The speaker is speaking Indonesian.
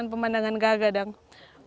banyak pemandangan pemandangan kaget